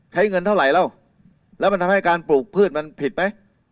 เงินเท่าไหร่แล้วแล้วมันทำให้การปลูกพืชมันผิดไหม